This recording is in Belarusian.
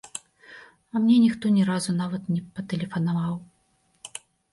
А мне ніхто ні разу нават не патэлефанаваў.